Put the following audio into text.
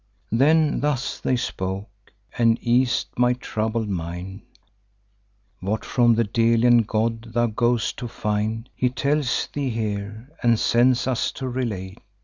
Then thus they spoke, and eas'd my troubled mind: 'What from the Delian god thou go'st to find, He tells thee here, and sends us to relate.